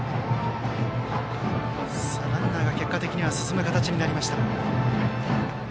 ランナーが結果的には進む形になりました。